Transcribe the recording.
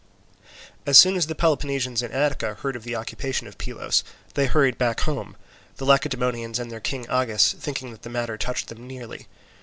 As soon as the Peloponnesians in Attica heard of the occupation of Pylos, they hurried back home; the Lacedaemonians and their king Agis thinking that the matter touched them nearly.